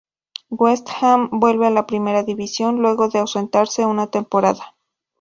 West Ham vuelve a la primera división luego de ausentarse una temporada.